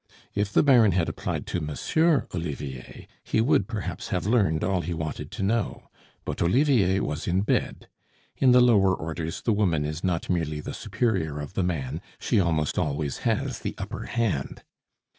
If the Baron had applied to Monsieur Olivier, he would perhaps have learned all he wanted to know. But Olivier was in bed. In the lower orders the woman is not merely the superior of the man she almost always has the upper hand.